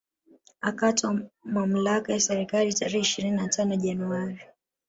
Akatwaa mamlaka ya serikali tarehe ishirini na tano Januari